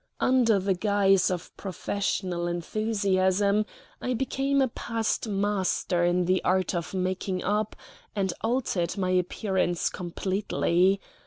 Under the guise of professional enthusiasm I became a past master in the art of making up, and altered my appearance completely.